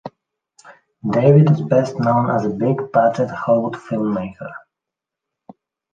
Davis is best known as a big budget Hollywood filmmaker.